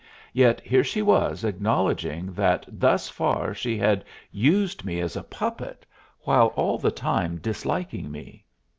Yet here she was acknowledging that thus far she had used me as a puppet, while all the time disliking me.